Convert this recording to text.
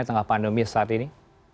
tengah pandemi saat ini